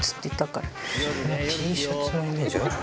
そんなＴシャツのイメージある？